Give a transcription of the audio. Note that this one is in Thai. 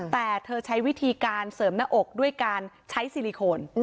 แต่เธอใช้วิธีการเสริมหน้าอกด้วยการใช้ซิลิโคน